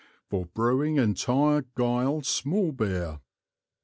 For Brewing Entire Guile Small Beer.